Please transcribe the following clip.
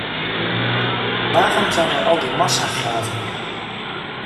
Waarom zijn er al die massagraven?